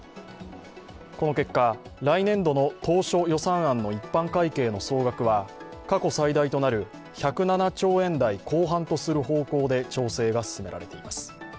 この結果、来年度の当初予算案の一般会計の総額は過去最大となる１０７兆円台後半となる方向で調整が進められています。